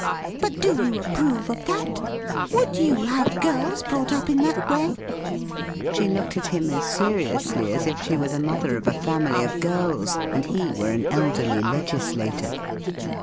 ' But do you approve of that ? Would you have girls brought up in that way ?' She looked at him as seriously as if she were the mother of a family of girls, and he were an elderly legislator.